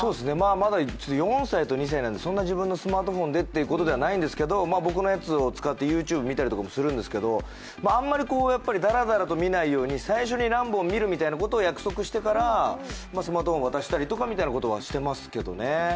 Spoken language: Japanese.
まだ４歳と２歳なので、そんなに自分のスマートフォンでということはないんですけど僕のやつを使ったＹｏｕＴｕｂｅ見たりとかするんですけどあんまりだらだらと見ないように最初に何分見ると約束してからスマートフォンを渡したりとかみたいなことはしてますけどね。